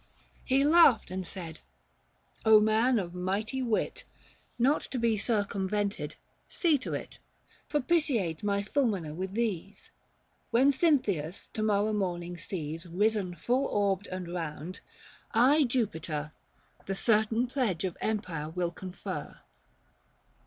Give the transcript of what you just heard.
He laughed and said, " man of mighty wit, Not to be circumvented, see to it, Propitiate my Fulinina with these. When Cynthius, to morrow morning sees, 370 Risen full orbed and round, I Jupiter The certain pledge of empire will confer."